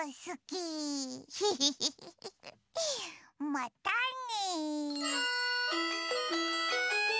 またね。